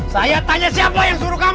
saya tanya siapa yang suruh kamu